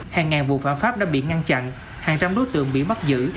hàng ngàn vụ phạm pháp đã bị ngăn chặn hàng trăm đối tượng bị bắt giữ